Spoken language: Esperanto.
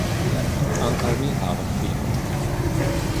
Ankaŭ mi havas filon.